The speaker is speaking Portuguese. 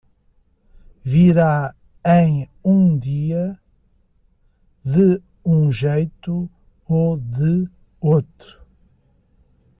Virá em um dia, de um jeito ou de outro.